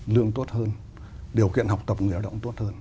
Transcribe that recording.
lương tốt hơn điều kiện học tập người lao động tốt hơn